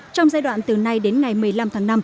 trong giai đoạn từ nay đến ngày một mươi năm tháng năm